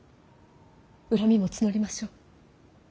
恨みも募りましょう。